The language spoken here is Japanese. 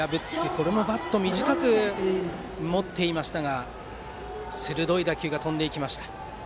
これもバットを短く持っていましたが鋭い打球が飛んでいきました。